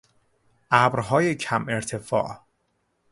ابرهای کم ارتفاع